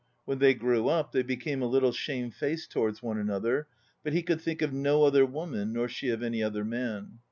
When they grew up they became a little shame faced towards one another, but he could think of no other woman, nor she of any other man.